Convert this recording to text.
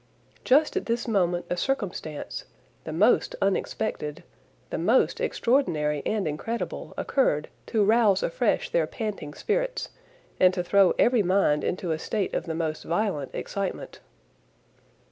Just at this moment a circumstance, the most unexpected, the most extraordinary and incredible, occurred to rouse afresh their panting spirits, and to throw every mind into a state of the most violent excitement.